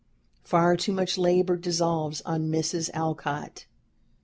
Far too much labor devolves on Mrs. Alcott.